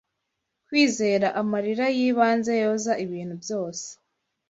Kwizera amarira yibanze yoza ibintu byose